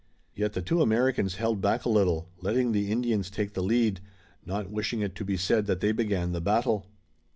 Yet the two Americans held back a little, letting the Indians take the lead, not wishing it to be said that they began the battle.